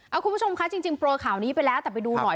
เอาคุณผู้ชมคะจริงโปรยข่าวนี้ไปแล้วแต่ไปดูหน่อย